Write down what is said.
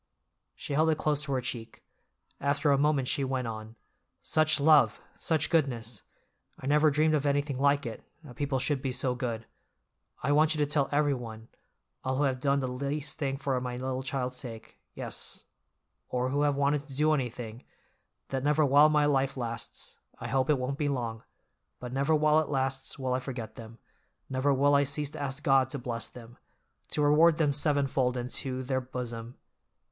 She held it close to her cheek. After a moment she went on. "Such love, such goodness! I never dreamed of anything like it, that people should be so good. I want you to tell everyone—all who have done the least thing for my little child's sake, yes, or who have wanted to do anything, that never while my life lasts—I hope it won't be long—but never while it lasts will I forget them, never will I cease to ask God to bless them, 'to reward them sevenfold into their bosom.